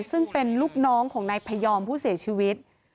ซึ่งเป็นลูกน้องของนายพยอมผู้เสียชีวิต